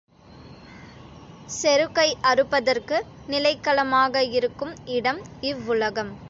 செருக்கை அறுப்பதற்கு நிலைக் களமாக இருக்கும் இடம் இவ்வுலகம்.